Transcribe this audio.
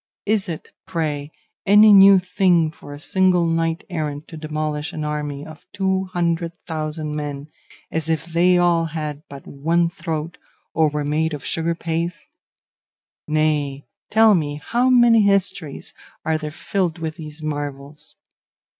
Is it, pray, any new thing for a single knight errant to demolish an army of two hundred thousand men, as if they all had but one throat or were made of sugar paste? Nay, tell me, how many histories are there filled with these marvels?